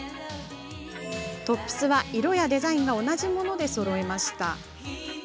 トップスは色やデザインが同じものでそろえました。